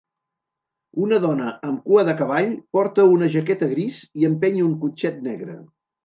Una dona amb cua de cavall porta una jaqueta gris i empeny un cotxet negre.